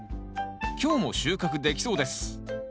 今日も収穫できそうです。